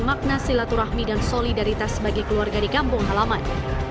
makna silaturahmi dan solidaritas bagi keluarga di kampung halaman